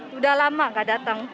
sudah lama gak datang